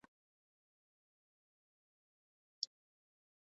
Shika ile ambayo mzazi anakuambia ili uishi siku mingi